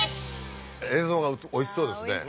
映像がおいしそうですね